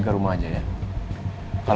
ternyata saya sudah bright